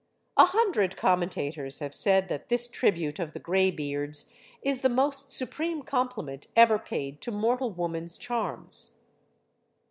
A hundred commentators have said that this tribute of the graybeards is the most supreme compliment ever paid to mortal woman's charms.